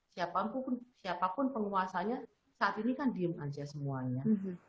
siapapun siapapun penguasanya saat ini kan diem aja semuanya